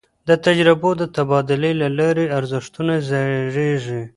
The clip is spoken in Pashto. د تجربو د تبادلې له لاري ارزښتونه زېږي.